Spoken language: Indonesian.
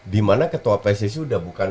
dimana ketua pssi sudah bukan